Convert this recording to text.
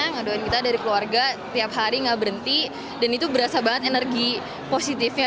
ngadohin kita dari keluarga tiap hari gak berhenti dan itu berasa banget energi positifnya